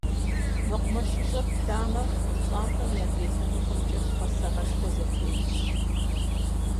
МэкъумэшыщӀэр плъэмэ - пщӀантӀэм и адрей лъэныкъуэмкӀэ пхъэ самэшхуэ зытелъщ.